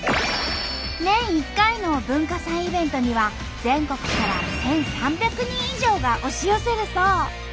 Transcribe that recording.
年１回の文化祭イベントには全国から１，３００人以上が押し寄せるそう。